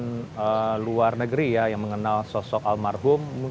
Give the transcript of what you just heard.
kembali ke kendaraan wlanja bintang soekarno hubsan